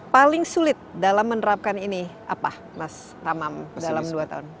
paling sulit dalam menerapkan ini apa mas tamam dalam dua tahun